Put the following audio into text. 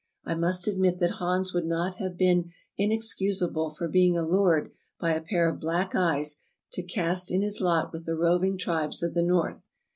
I must admit that Hans would not have been inexcusable for being allured by a pair of black eyes to cast in his lot with the roving tribes of the North.